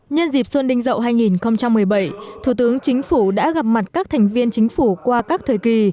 nhân dịp xuân đinh dậu hai nghìn một mươi bảy thủ tướng chính phủ đã gặp mặt các thành viên chính phủ qua các thời kỳ